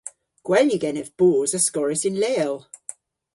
Gwell yw genev boos askorrys yn leel.